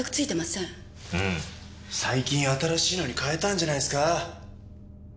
最近新しいのに替えたんじゃないですか？